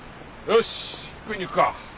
よし食いに行くか！